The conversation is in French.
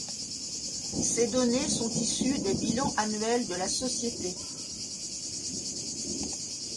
Ces données sont issues des bilans annuels de la société.